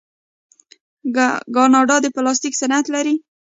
کاناډا د پلاستیک صنعت لري.